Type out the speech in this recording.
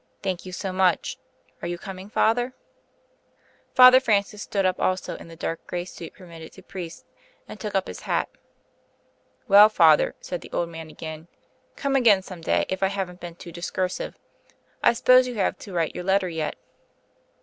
Thank you so much. Are you coming, father?" Father Francis stood up also, in the dark grey suit permitted to priests, and took up his hat. "Well, father," said the old man again, "come again some day, if I haven't been too discursive. I suppose you have to write your letter yet?"